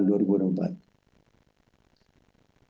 kementerian perhubungan kpr dan kpp